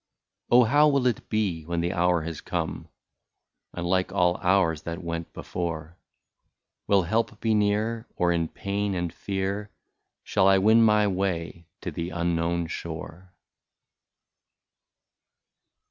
Oh ! how will it be when the hour has come, — Unlike all hours that went before, — Will help be near, or in pain and fear. Shall I win my way to the unknown shore